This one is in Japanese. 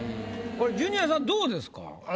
これジュニアさんどうですか？